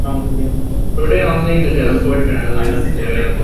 Today only the Telford tunnel is navigable.